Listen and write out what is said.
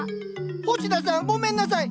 星田さんごめんなさい！